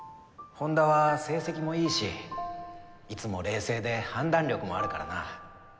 本田は成績もいいしいつも冷静で判断力もあるからな。